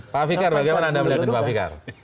pak fikar bagaimana anda melihatnya pak fikar